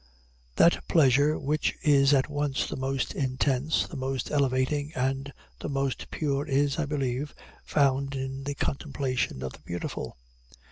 That pleasure which is at once the most intense, the most elevating, and the most pure, is, I believe, found in the contemplation of the beautiful.